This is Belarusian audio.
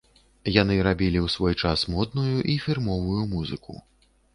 Яны рабілі ў свой час модную і фірмовую музыку.